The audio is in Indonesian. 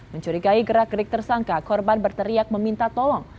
mencurigai gerak gerik tersangka korban berteriak meminta tolong